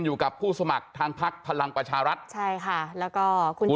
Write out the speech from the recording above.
อยู่กับผู้สมัครทางพักพลังประชารัฐใช่ค่ะแล้วก็คุณ